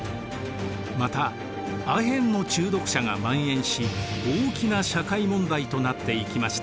またアヘンの中毒者がまん延し大きな社会問題となっていきました。